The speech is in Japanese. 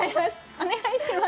お願いします。